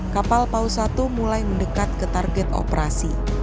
kapal paus satu mulai mendekat ke target operasi